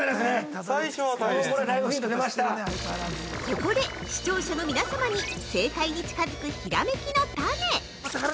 ◆ここで、視聴者の皆様に正解に近づくひらめきのタネ！